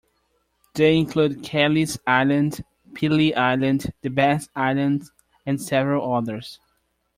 They include Kelleys Island, Pelee Island, the Bass Islands, and several others.